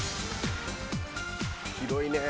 広いね。